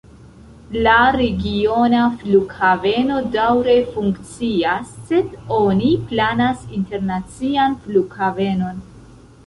La regiona flughaveno daŭre funkcias, sed oni planas internacian flughavenon.